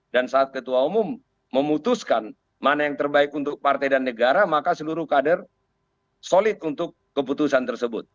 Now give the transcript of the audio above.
dan saat ketua umum memutuskan mana yang terbaik untuk partai dan negara maka seluruh kader solid untuk keputusan tersebut